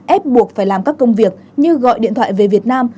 ép buộc phải làm các công việc như gọi điện thoại về việt nam